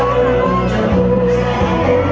สวัสดีครับ